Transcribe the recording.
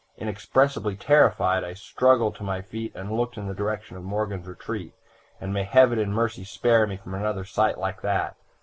Inexpressibly terrified, I struggled to my feet and looked in the direction of Morgan's retreat; and may heaven in mercy spare me from another sight like that!